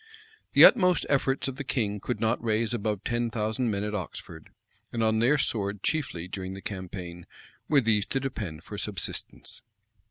The utmost efforts of the king could not raise above ten thousand men at Oxford; and on their sword chiefly, during the campaign, were these to depend for subsistence.